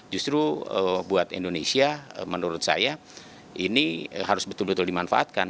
justru buat indonesia menurut saya ini harus betul betul dimanfaatkan